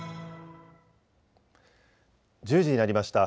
１０時になりました。